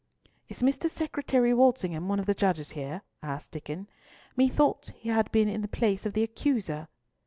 "Is Mr. Secretary Walsingham one of the judges here?" asked Diccon. "Methought he had been in the place of the accuser."